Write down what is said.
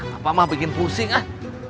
apa mah bikin pusing ah